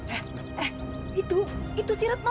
eh itu itu sih retno